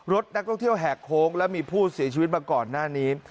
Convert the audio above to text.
รถนักท่องเที่ยวแหกโค้งแล้วมีผู้เสียชีวิตมาก่อนหน้านี้